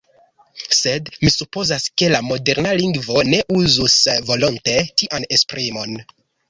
Sed mi supozas, ke la moderna lingvo ne uzus volonte tian esprimon.